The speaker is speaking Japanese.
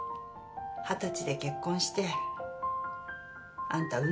二十歳で結婚してあんた産んで。